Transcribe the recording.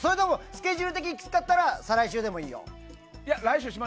スケジュール的にきつかったら再来週でもいいよ。